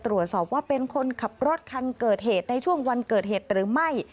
ตรวจสอบว่าเป็นคนขับรถคันเกิดเหตุในช่วงวันเกิดเหตุหรือไม่